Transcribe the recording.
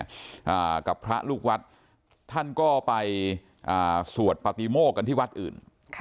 และพระลูกวัทธ์ท่านก็ไปสววษปติโม่กกันที่วัดอื่น